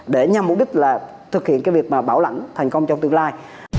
để nhằm mục đích là thực hiện cái việc mà bảo lãnh thành công trong tương lai